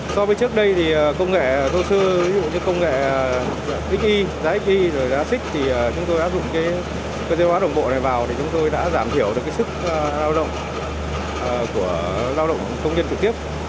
so với trước đây thì công nghệ thô sư ví dụ như công nghệ xi giá xi giá xích thì chúng tôi đã dùng cái chế độ đồng bộ này vào thì chúng tôi đã giảm thiểu được cái sức lao động của lao động công nhân trực tiếp